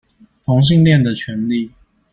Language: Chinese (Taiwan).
同性戀的權利